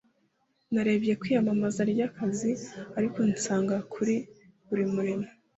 narebye ku iyamamaza ry'akazi, ariko nsanga kuri buri murimo